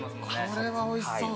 これはおいしそう。